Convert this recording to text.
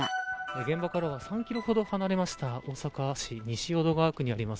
現場からは３キロほど離れました大阪市西淀川区にあります。